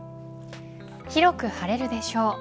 広く晴れるでしょう。